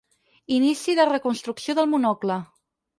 Inici de reconstrucció del monocle.